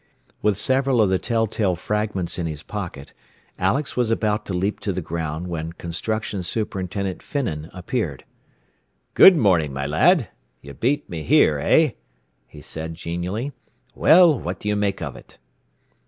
With several of the tell tale fragments in his pocket Alex was about to leap to the ground when Construction Superintendent Finnan appeared. "Good morning, my lad. You beat me here, eh?" he said genially. "Well, what do you make of it?"